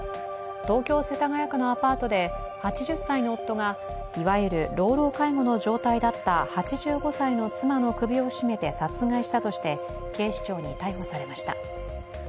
東京・世田谷区のアパートで８０歳の夫がいわゆる老老介護の状態だった８５歳の妻の首を絞めて殺害したとして警視庁に逮捕されました。